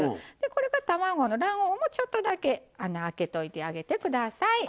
卵の卵黄もちょっとだけ穴開けといてあげて下さい。